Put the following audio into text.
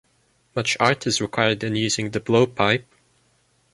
Much art is required in using the blow-pipe.